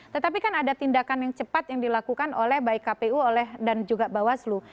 tetapi kan ada tindakan yang cepat yang dilakukan oleh baik kpu dan juga bawaslu